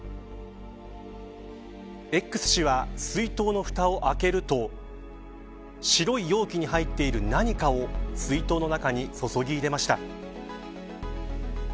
Ｘ氏は水筒のふたを開けると白い容器に入っている何かを水筒の中に注ぎ入れました。